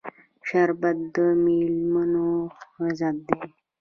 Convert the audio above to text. شربت د میلمنو عزت دی